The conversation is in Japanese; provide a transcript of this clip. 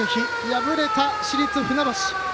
敗れた市立船橋。